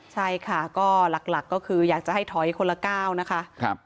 ใช่ค่ะก็หลักก็คืออยากจะให้ถอยคนละก้าวนะคะ